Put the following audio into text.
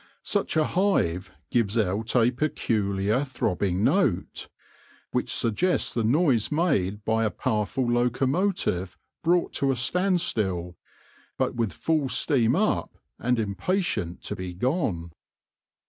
Such a hive gives out a peculiar throbbing note, which suggests the noise made by a powerful locomotive brought to a standstill, but with full steam up, and impatient to be gone.